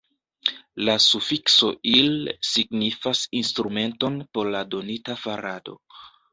La sufikso « il » signifas instrumenton por la donita farado.